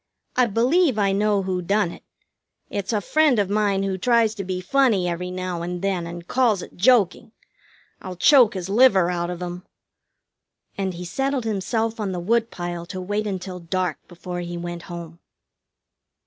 I believe I know who done it. It's a friend of mine who tries to be funny every now and then, and calls it joking. I'll choke his liver out of him!" And he settled himself on the woodpile to wait until dark before he went home.